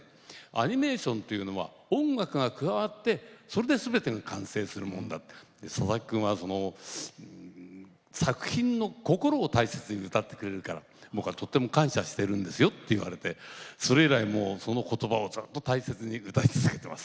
アニメーションというのは音楽が加わってそれで全てが完成するものだささき君は作品の心を大切に歌ってくれるから僕はとっても感謝してるんですよって言われてそれ以来もうその言葉をずっと大切に歌い続けてます。